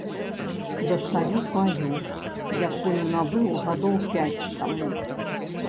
Дастаю сваю, якую набыў гадоў пяць таму.